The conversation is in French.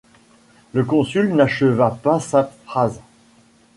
Le consul n’acheva pas sa phrase.